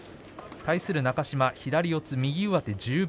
対する中島、左四つ右上手十分